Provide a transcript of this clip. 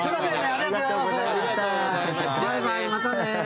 ありがとうございます！